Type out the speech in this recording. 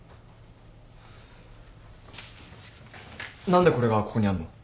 何でこれがここにあるの？